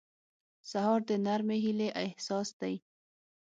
سهار د نرمې هیلې احساس دی.